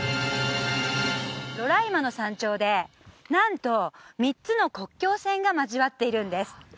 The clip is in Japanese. ロライマの山頂でなんと３つの国境線が交わっているんです